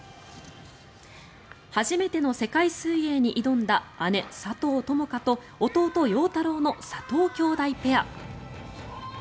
初めての世界水泳に挑んだ姉・佐藤友花と弟・陽太郎の佐藤姉弟ペア。